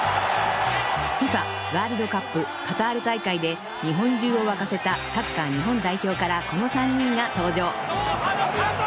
［ＦＩＦＡワールドカップカタール大会で日本中を沸かせたサッカー日本代表からこの３人が登場］